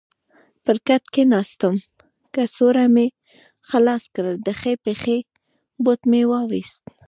پر کټ کېناستم، کڅوړه مې خلاصه کړل، د ښۍ پښې بوټ مې وایست.